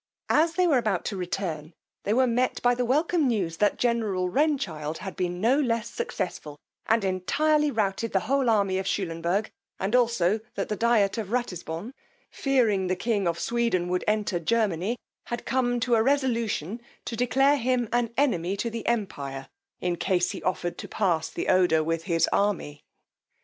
As they were about to return, they were met by the welcome news that general Renchild had been no less successful, and entirely routed the whole army of Shullenburgh, and also that the diet of Ratisbon, fearing the king of Sweden would enter Germany, had come to a resolution to declare him an enemy to the empire, in case he offered to pass the Oder with his army.